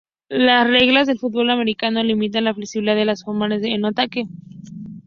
Las reglas de fútbol americano limitan la flexibilidad de las formaciones en ataque.